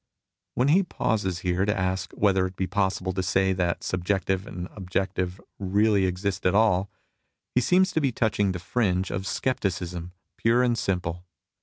When he pauses here to ask whether it be possible to say that subjective and objective really exist at all, he seems to be touching the fringe of scepticism pure and simple.